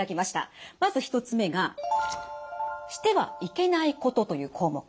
まず１つ目が「してはいけないこと」という項目。